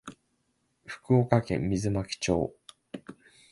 福岡県水巻町